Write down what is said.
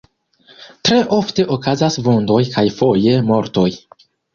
Tre ofte okazas vundoj kaj foje mortoj.